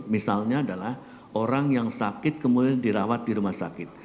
misalnya adalah orang yang sakit kemudian dirawat di rumah sakit